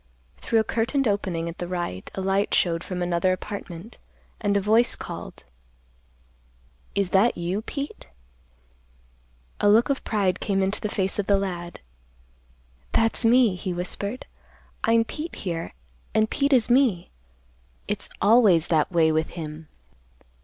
Through a curtained opening at the right, a light showed from another apartment, and a voice called, "Is that you, Pete?" A look of pride came into the face of the lad, "That's me," he whispered. "I'm Pete here, an' Pete is me. It's always that way with him."